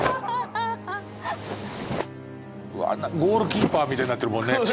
ゴールキーパーみたいになってるもんね。